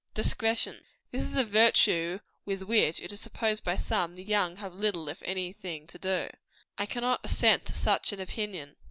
Discretion. This is a virtue with which, it is supposed by some, the young have little if any thing to do. I cannot assent to such an opinion.